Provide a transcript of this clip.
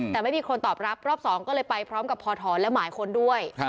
แต่ไม่มีคนตอบรับรอบ๒ก็เลยไปพร้อมกับพอถอนและหมายค้นด้วย